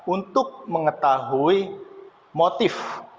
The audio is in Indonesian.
untuk mengetahui motif